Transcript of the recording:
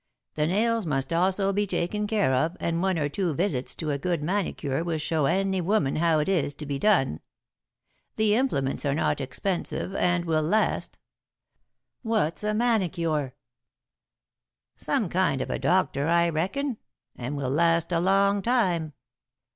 'The nails must also be taken care of and one or two visits to a good manicure will show any woman how it is to be done. The implements are not expensive and will last '" "What's a manicure?" "Some kind of a doctor, I reckon, 'and will last a long time.